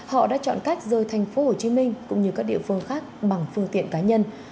họ đã chọn cách rời thành phố hồ chí minh cũng như các địa phương khác bằng phương tiện cá nhân